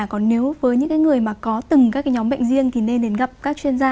còn nếu với những người mà có từng các cái nhóm bệnh riêng thì nên đến gặp các chuyên gia